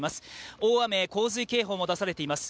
大雨・洪水警報も出されています。